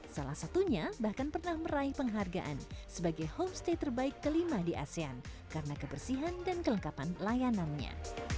salah satunya bahkan pernah meraih penghargaan sebagai homestay terbaik kelima di asean karena kebersihan dan kelengkapan layanannya